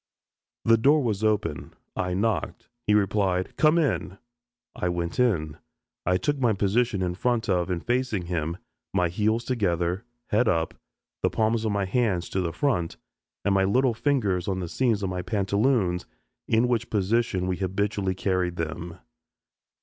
The door was open. I knocked. He replied, "Come in." I went in. I took my position in front of and facing him, my heels together, head up, the palms of my hands to the front, and my little fingers on the seams of my pantaloons, in which position we habitually carried them.